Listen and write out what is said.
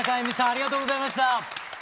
ありがとうございます。